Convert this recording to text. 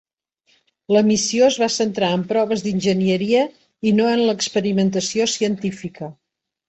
La missió es va centrar en proves d'enginyeria i no en l'experimentació científica.